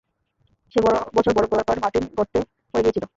সে বছর বরফ গলার কারণে, মার্টিন গর্তে পড়ে গিয়েছিলো।